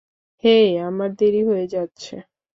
হেই আমার দেরি হয়ে যাচ্ছে।